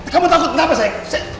kamu takut kenapa sayang